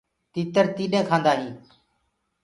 تيٚتر تيڏينٚ ڪآندآ هينٚ۔